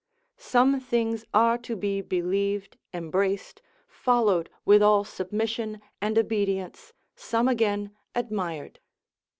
some things are to be believed, embraced, followed with all submission and obedience, some again admired.